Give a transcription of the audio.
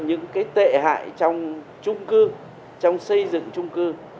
những cái tệ hại trong trung cư trong xây dựng trung cư